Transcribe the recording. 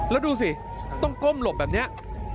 แล้วดูสิต้องก้มหลบแบบนี้